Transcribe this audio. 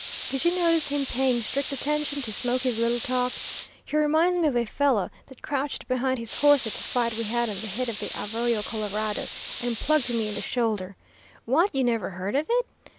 Did you notice him paying strict attention to Smoky's little talk? He reminds me of a fellow that crouched behind his horse at the fight we had on the head of the Arroyo Colorado and plugged me in the shoulder. What, you never heard of it?